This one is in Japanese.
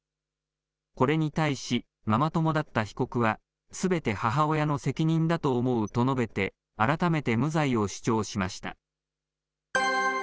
これに対し、ママ友だった被告は、すべて母親の責任だと思うと述べて、改めて無罪を主張しました。